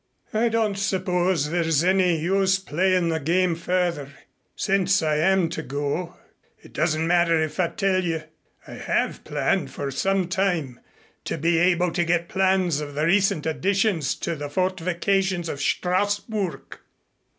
"I don't suppose there is any use playing the game further. Since I am to go, it doesn't matter if I tell you. I have planned for some time to be able to get plans of the recent additions to the fortifications of Strassburg."